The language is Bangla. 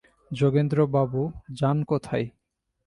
যোগেন্দ্রবাবু, যান কোথায়?